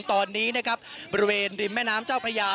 ตอนนี้นะครับบริเวณริมแม่น้ำเจ้าพระยา